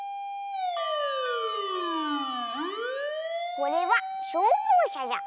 これはしょうぼうしゃじゃ。